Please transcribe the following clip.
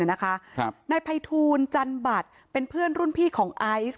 นายภัยทูลจันบัตรเป็นเพื่อนรุ่นพี่ของไอซ์